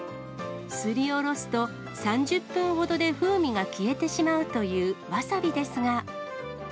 すりおろすと、３０分ほどで風味が消えてしまうというワサビですが。